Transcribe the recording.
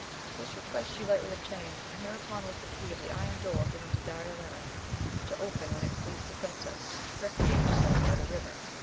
This request she lightly obtained, and hereupon was the key of the iron door given to Darioleta, to open when it pleased the prin cess to recreate herself by the river.